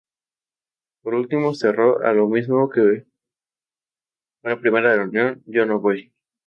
Por último cerró: “A lo mismo que fue la primera reunión, yo no voy.